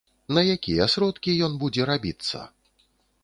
На якія сродкі ён будзе рабіцца?